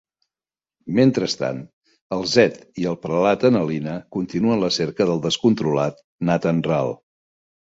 Mentrestant, el Zedd i el Prelat Annalina continuen la cerca del descontrolat Nathan Rahl.